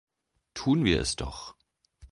Tun wir es doch!